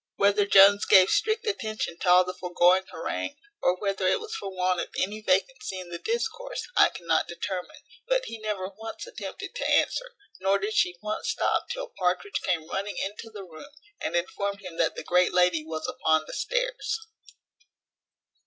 Whether Jones gave strict attention to all the foregoing harangue, or whether it was for want of any vacancy in the discourse, I cannot determine; but he never once attempted to answer, nor did she once stop till Partridge came running into the room, and informed him that the great lady was upon the stairs.